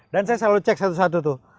dan saya selalu cek satu satu tuh